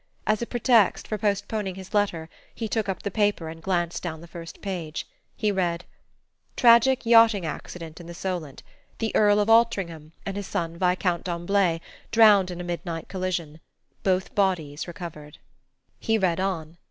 As a pretext for postponing his letter, he took up the paper and glanced down the first page. He read: "Tragic Yachting Accident in the Solent. The Earl of Altringham and his son Viscount d'Amblay drowned in midnight collision. Both bodies recovered." He read on.